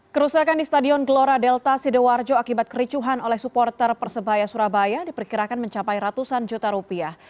kerusakan di stadion gelora delta sidoarjo akibat kericuhan oleh supporter persebaya surabaya diperkirakan mencapai ratusan juta rupiah